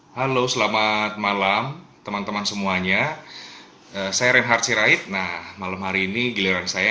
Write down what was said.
halo selamat malam teman teman semuanya saya reinhard sirait nah malam hari ini giliran saya